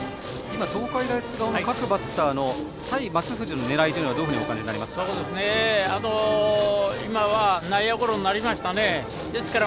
今、東海大菅生の各バッターの対松藤の狙いはどういうふうにお感じになりますか？